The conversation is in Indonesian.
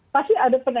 pasti ada penembakan